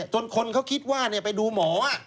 จนคนเขาคิดว่าไปดูหมอ